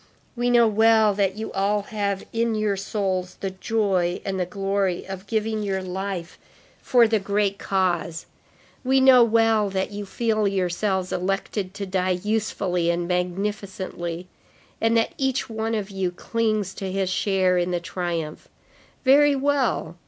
we know well that you all have in your souls the joy and the glory of giving your life for the great cause; we know well that you feel yourselves elected to die usefully and magnificently, and that each one of you clings to his share in the triumph. Very well.